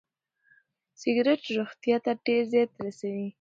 سګریټ روغتیا ته ډېر زیان رسوي.